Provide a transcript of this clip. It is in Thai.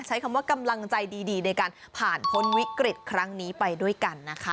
ใช้คำว่ากำลังใจดีในการผ่านพ้นวิกฤตครั้งนี้ไปด้วยกันนะคะ